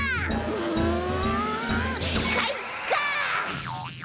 うんかいか！